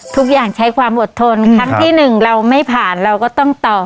ทุกอย่างใช้ความอดทนครั้งที่หนึ่งเราไม่ผ่านเราก็ต้องต่อ